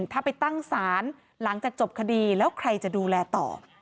ถ้าไปตั้งศาลหลังจากจบคดีแล้วใครจะดูแลต่อ